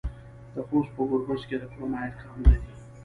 د خوست په ګربز کې د کرومایټ کانونه دي.